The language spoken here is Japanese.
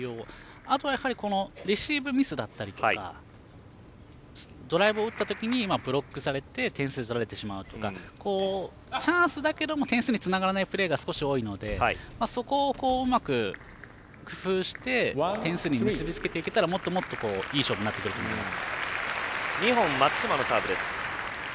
あとは、やはりレシーブミスだったりとかドライブを打った時にブロックされて点数を取られてしまうとかチャンスだけども点数につながらないプレーが少し多いのでそこをうまく工夫して点数に結びつけていけたらもっともっといい勝負になると思います。